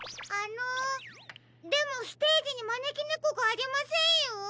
あのでもステージにまねきねこがありませんよ。